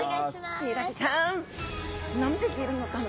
ヒイラギちゃん。何匹いるのかな。